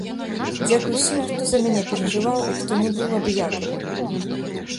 Дзякуй усім, хто за мяне перажываў і хто не быў абыякавым!